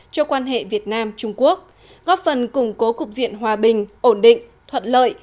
cho quan hệ việt nam trung quốc góp phần củng cố cục diện hòa bình ổn định thuận lợi